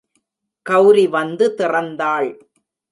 கௌரி வந்து திறந்தாள்.